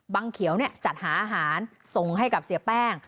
เขียวจัดหาอาหารส่งให้กับเสียแป้ง